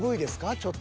ちょっと。